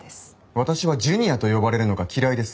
私は「ジュニア」と呼ばれるのが嫌いです。